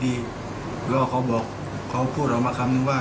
แล้วเขาบอกเขาพูดออกมาคำนึงว่า